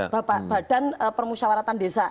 badan permusyawaratan desa